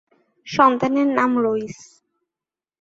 সন্তানের নাম রইস।